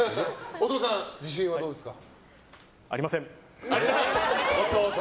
お父さん、自信はどうですか？